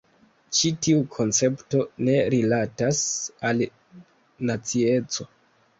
Ĉi tiu koncepto ne rilatas al nacieco.